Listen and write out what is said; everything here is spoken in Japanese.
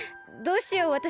どうしよう。